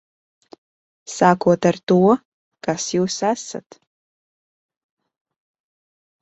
Sākot ar to, kas jūs esat.